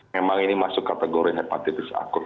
memang ini masuk kategori hepatitis akut